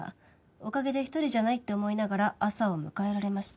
おかげで一人じゃないって思いながら朝を迎えられました。